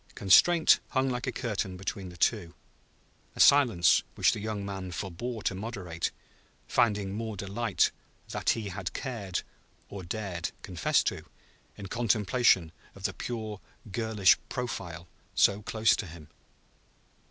Constraint hung like a curtain between the two; a silence which the young man forbore to moderate, finding more delight that he had cared (or dared) confess to, in contemplation of the pure girlish profile so close to him.